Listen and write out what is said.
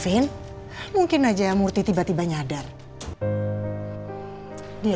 ini bukan salah siapa siapa